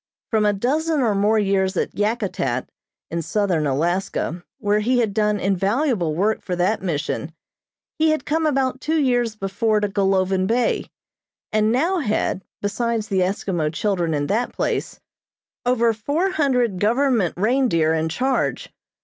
From a dozen or more years at Yakutat, in southern Alaska, where he had done invaluable work for that Mission, he had come about two years before to Golovin Bay, and now had, besides the Eskimo children in that place, over four hundred government reindeer in charge.